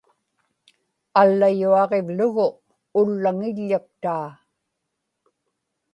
allayuaġivlugu ullaŋiḷḷaktaa